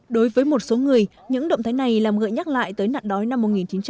đối với một số người những động thái này làm ngợi nhắc lại tới nặng đói năm một nghìn chín trăm năm mươi chín